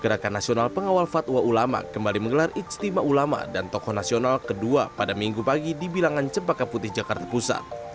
gerakan nasional pengawal fatwa ulama kembali menggelar ijtima ulama dan tokoh nasional kedua pada minggu pagi di bilangan cempaka putih jakarta pusat